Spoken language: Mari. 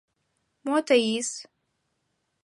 — Мо Таис?